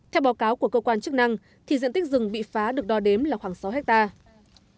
theo báo cáo của cơ quan chức năng thì diện tích rừng bị phá được đo đếm là khoảng sáu hectare